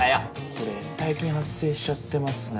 これ延滞金発生しちゃってますね。